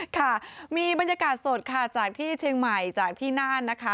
ค่ะมีบรรยากาศสดค่ะจากที่เชียงใหม่จากที่น่านนะคะ